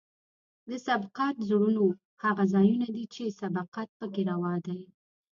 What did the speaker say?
د سبقت زونونه هغه ځایونه دي چې سبقت پکې روا دی